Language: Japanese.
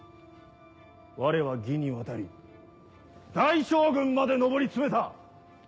われは魏に渡り大将軍まで上り詰めた！